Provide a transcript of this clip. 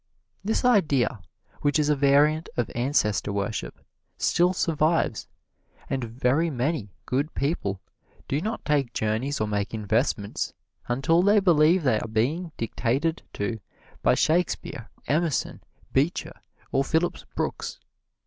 This idea, which is a variant of ancestor worship, still survives, and very many good people do not take journeys or make investments until they believe they are being dictated to by Shakespeare, Emerson, Beecher or Phillips Brooks.